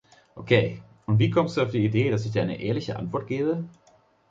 Okay, und wir kommst du auf die Idee, dass ich dir eine ehrliche Antwort gebe?